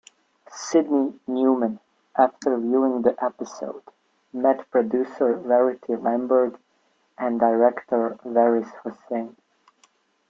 Sydney Newman, after viewing the episode, met producer Verity Lambert and director Waris Hussein.